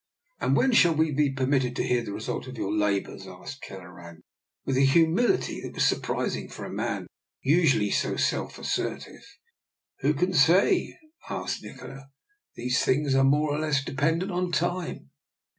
" And when shall we be permitted to hear the result of your labours? " asked Kelleran with a humility that was surprising in a man usually so self assertive. 62 DR. NIKOLA'S EXPERIMENT. " Who can say? " asked Nikola. " These things are more or less dependent on Time.